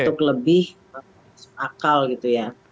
untuk lebih akal gitu ya